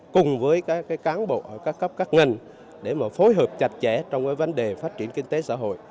cùng với các cán bộ ở các cấp các ngành để mà phối hợp chặt chẽ trong cái vấn đề phát triển kinh tế xã hội